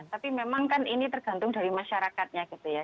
tapi memang kan ini tergantung dari masyarakatnya gitu ya